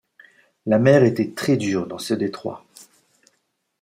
La mer était très-dure dans ce détroit